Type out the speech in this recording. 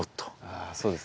ああそうですね。